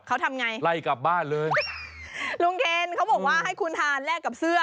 เขาทำไงไล่กลับบ้านเลยลุงเคนเขาบอกว่าให้คุณทานแลกกับเสื้อ